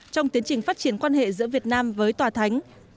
trong tiến trình phát triển quan hệ giữa việt nam với tòa thánh